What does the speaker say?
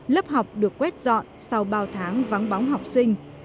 lớp học được quét dọn sau bao tháng vắng bóng học sinh